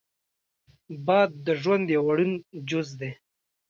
باد د ژوند یو اړین جز دی